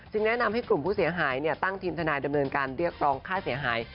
แนะนำให้กลุ่มผู้เสียหายตั้งทีมทนายดำเนินการเรียกร้องค่าเสียหาย